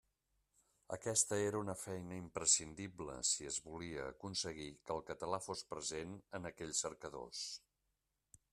Aquesta era una feina imprescindible si es volia aconseguir que el català fos present en aquells cercadors.